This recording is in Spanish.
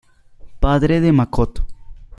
Padre de Makoto.